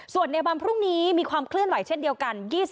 ส่วนในวันพรุ่งนี้มีความเคลื่อนไหวเช่นเดียวกัน